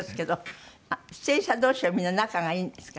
出演者同士はみんな仲がいいんですか？